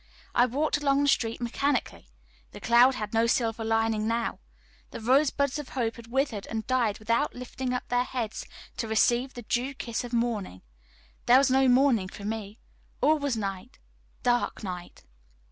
I walked along the street mechanically. The cloud had no silver lining now. The rosebuds of hope had withered and died without lifting up their heads to receive the dew kiss of morning. There was no morning for me all was night, dark night.